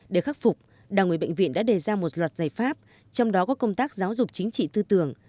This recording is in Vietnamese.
để khắc phục đảng ubv đã đề ra một loạt giải pháp trong đó có công tác giáo dục chính trị tư tưởng